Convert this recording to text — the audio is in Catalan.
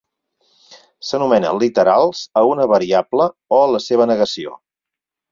S'anomena literals a una variable o la seva negació.